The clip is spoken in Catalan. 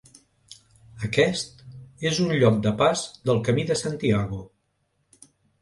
Aquest és un lloc de pas del Camí de Santiago.